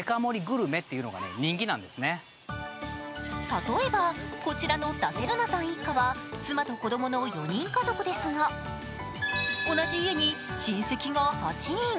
例えばこちらのダセルナさん一家は妻と子供の４人家族ですが同じ家に親戚が８人。